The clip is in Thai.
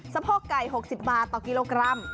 โพกไก่๖๐บาทต่อกิโลกรัม